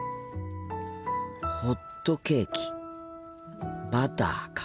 ホットケーキバターか。